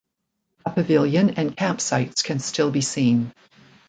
A pavilion and camp sites can still be seen.